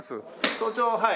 早朝はい。